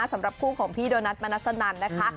สำหรับคู่ของพี่โดนัทมนัสนันนะคะ